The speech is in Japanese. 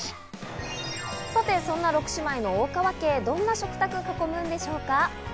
さてそんな６姉妹の大川家、どんな食卓を囲むんでしょうか？